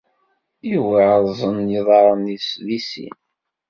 Yuba rrẓen yiḍarren-nnes deg sin.